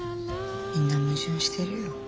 みんな矛盾してるよ